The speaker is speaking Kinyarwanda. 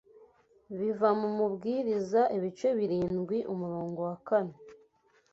biva mu Mubwiriza ibice birindwi umurongo wa kane